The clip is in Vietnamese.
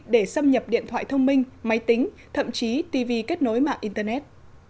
để xâm nhập điện thoại thông minh máy tính thậm chí tv kết nối mạng internet